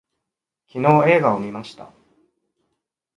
昨日映画を見ました